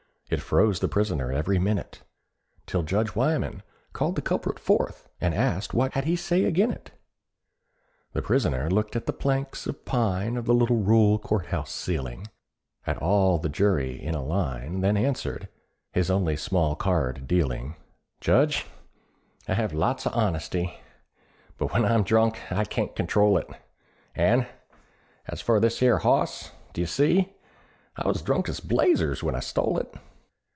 It froze the prisoner every minute, Till Judge Wyman called the culprit forth, And asked what "he had to say agin it?" The prisoner looked at the planks of pine Of the little rural court house ceiling, At all the jury in a line, Then answered, his only small card dealing, "Judge, I hev lots of honesty, But when I'm drunk I can't control it; And as for this 'ere hoss—d'ye see?— I was drunk as blazes when I stole it."